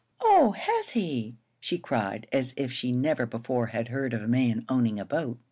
"Oh, has he?" she cried, as if she never before had heard of a man owning a boat.